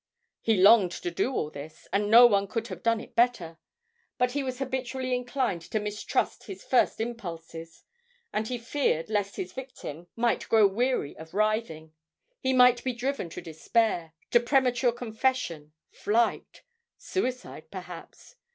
He longed to do all this, and no one could have done it better; but he was habitually inclined to mistrust his first impulses, and he feared lest his victim might grow weary of writhing; he might be driven to despair, to premature confession, flight suicide, perhaps.